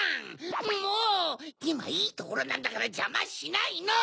いまいいところなんだからジャマしないの！